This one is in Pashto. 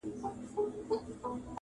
ماته له عمرونو د قسمت پیاله نسکوره سي،